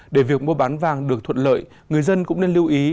để việc mua bán vàng được thuận lợi người dân cũng nên lưu ý